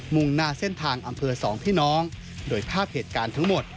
่งหน้าเส้นทางอำเภอสองพี่น้องโดยภาพเหตุการณ์ทั้งหมด